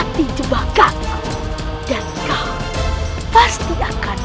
tidak ada yang bisa kita cari